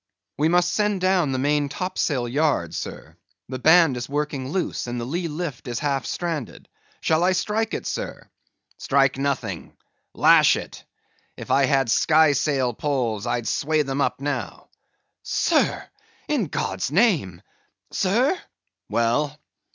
_ "We must send down the main top sail yard, sir. The band is working loose and the lee lift is half stranded. Shall I strike it, sir?" "Strike nothing; lash it. If I had sky sail poles, I'd sway them up now." "Sir!—in God's name!—sir?" "Well."